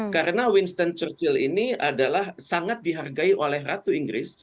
karena winston churchill ini adalah sangat dihargai oleh ratu inggris